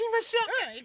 うん！